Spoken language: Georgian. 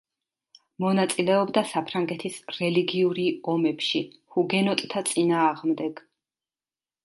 მონაწილეობდა საფრანგეთის რელიგიური ომებში ჰუგენოტთა წინააღმდეგ.